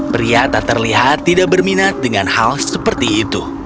pria tak terlihat tidak berminat dengan hal seperti itu